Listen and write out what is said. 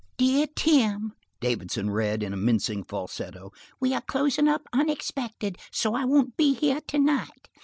"Dear Tim," Davidson read, in a mincing falsetto, "We are closing up unexpected, so I won't be here tonight.